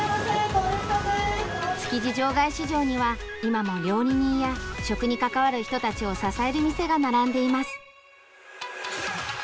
築地場外市場には今も料理人や食に関わる人たちを支える店が並んでいます。